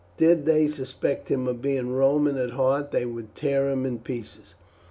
Did they suspect him of being Roman at heart they would tear him in pieces.